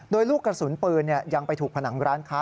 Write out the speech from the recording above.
โดยลูกกระสุนปืนยังไปถูกผนังร้านค้า